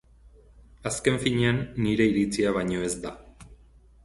Azken finean, nire iritzia baino ez da